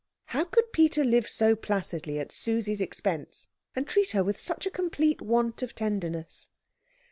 How could Peter live so placidly at Susie's expense, and treat her with such a complete want of tenderness?